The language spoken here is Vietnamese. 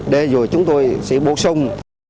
để rồi chúng tôi sẽ bổ sung